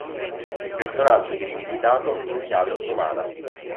Personaggio di rivisitato in chiave ottomana.